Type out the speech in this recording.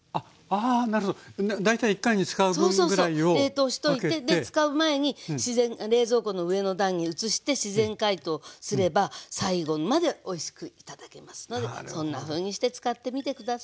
冷凍しといて使う前に冷蔵庫の上の段に移して自然解凍すれば最後までおいしく頂けますのでそんなふうにして使ってみて下さい。